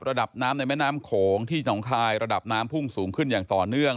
ระดับน้ำในแม่น้ำโขงที่หนองคายระดับน้ำพุ่งสูงขึ้นอย่างต่อเนื่อง